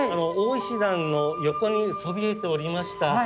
大石段の横にそびえておりました